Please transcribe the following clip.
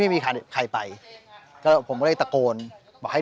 ชื่องนี้ชื่องนี้ชื่องนี้ชื่องนี้ชื่องนี้